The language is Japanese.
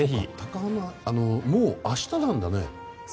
もう明日なんだね。